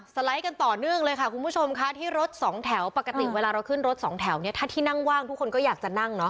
ไลด์กันต่อเนื่องเลยค่ะคุณผู้ชมค่ะที่รถสองแถวปกติเวลาเราขึ้นรถสองแถวเนี่ยถ้าที่นั่งว่างทุกคนก็อยากจะนั่งเนาะ